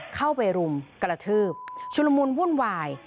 เข้าไปรุมกระทืบชุลมุนวุ่นวาย